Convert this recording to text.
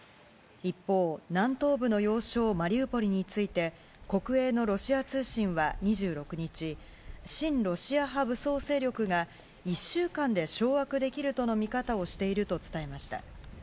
一方、南東部の要衝マリウポリについて国営のロシア通信は２６日親ロシア派武装勢力が１週間で掌握できるとの見方をしていると伝えました。